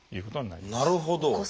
なるほど。